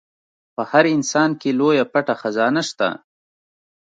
په هر انسان کې لويه پټه خزانه شته.